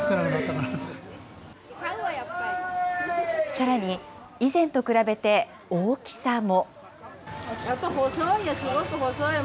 さらに、以前と比べて大きさも。